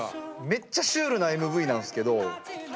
めっちゃシュールなＭＶなんすけど。